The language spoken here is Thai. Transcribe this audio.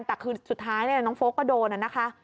แต่คือสุดท้ายน้องโฟลกก็โดนนะคะ